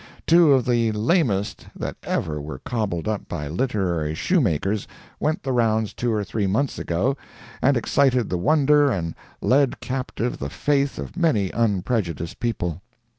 Two of the lamest that ever were cobbled up by literary shoemakers went the rounds two or three months ago, and excited the wonder and led captive the faith of many unprejudiced people.